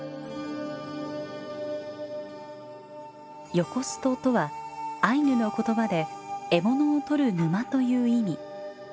「ヨコスト」とはアイヌの言葉で「獲物をとる沼」という意味。